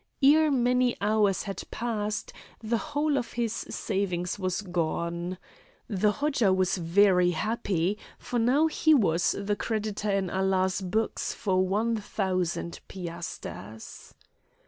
Ere many hours had passed the whole of his savings was gone. The Hodja was very happy; for now he was the creditor in Allah's books for one thousand piasters.